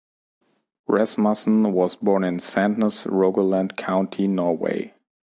Rasmussen was born in Sandnes, Rogaland County, Norway.